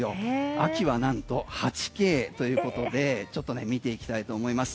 秋はなんと８Ｋということでちょっとね見ていきたいと思います。